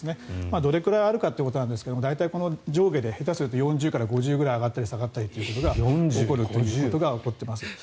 どれくらいあるかということなんですが大体この上下で下手すると４０から５０ぐらい上がったり下がったりが起こっているということがあります。